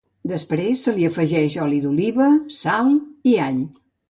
Després se li afegeix oli d'oliva, sal i all.